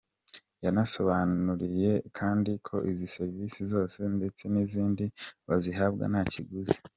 Yabasobanuriye kandi ko izi serivisi zose, ndetse n’izindi, bazihabwa nta kiguzi.